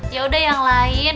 ya udah yang lain